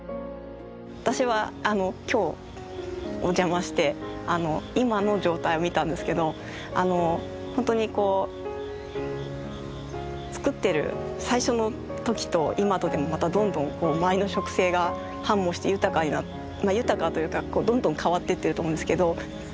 私は今日お邪魔して今の状態を見たんですけど本当にこうつくってる最初の時と今とでもまたどんどん前の植生が繁茂して豊かになって豊かというかどんどん変わっていってると思うんですけど。